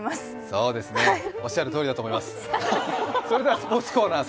そうですね、おっしゃるとおりだと思います。